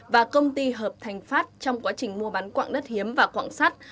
và công ty hợp thành pháp trong quá trình mua bán quạng đất hiếm và quạng sắt